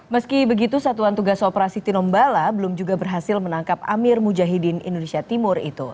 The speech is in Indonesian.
meski begitu satuan tugas operasi tinombala belum juga berhasil menangkap amir mujahidin indonesia timur itu